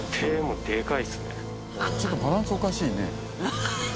ちょっとバランスおかしいね。